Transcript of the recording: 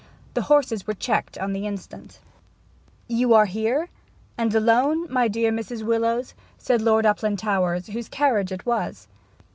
The horses were checked on the instant. 'You here and alone, my dear Mrs. Willowes?' said Lord Uplandtowers, whose carriage it was.